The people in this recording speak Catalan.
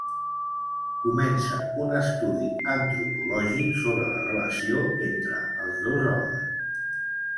Comença un estudi antropològic sobre la relació entre els dos homes.